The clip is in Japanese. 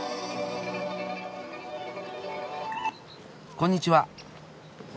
こんにちは。